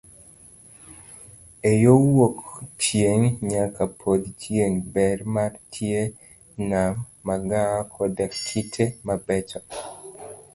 Eyo wuok chieng' nyaka podho chieng', ber mar tie nam, magawa koda kite mabecho.